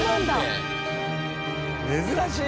珍しい！